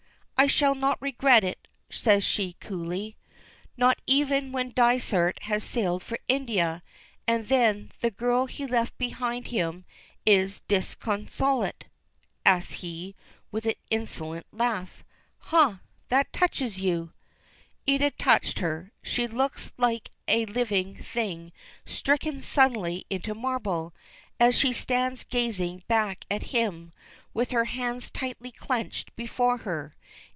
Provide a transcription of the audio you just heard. "I shall not regret it," says she, coolly. "Not even when Dysart has sailed for India, and then 'the girl he left behind him' is disconsolate?" asks he, with an insolent laugh. "Ha! that touches you!" It had touched her. She looks like a living thing stricken suddenly into marble, as she stands gazing back at him, with her hands tightly clenched before her.